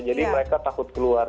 jadi mereka takut keluar